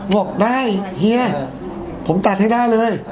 บอกได้เฮียผมตัดให้ได้เลย